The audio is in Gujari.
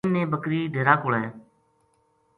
اِنھ نے بکری ڈیرا کولے